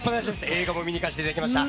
映画も見に行かせてもらいました。